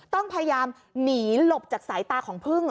ต้องพยายามหนีหลบจากสายตาของพึ่ง